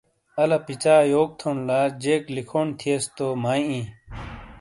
الا پچا یوک تھون لا جیک لکھون تھیئس تو مائی ایں ۔